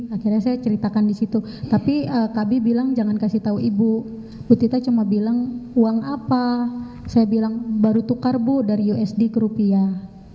akhirnya saya ceritakan di situ tapi kabi bilang jangan kasih tahu ibu bu tita cuma bilang uang apa saya bilang baru tukar bu dari usd ke rupiah